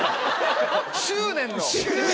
執念の。